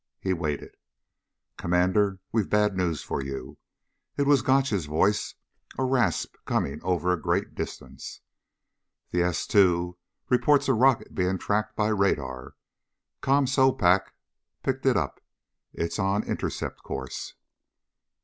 He waited. "Commander, we've bad news for you." It was Gotch's voice, a rasp coming over a great distance. "The S two reports a rocket being tracked by radar. ComSoPac's picked it up. It's on intercept course."